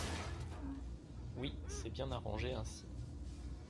Oui, c’est bien arrangé ainsi!